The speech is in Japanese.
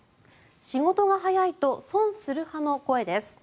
仕事が早いと損する派の声です。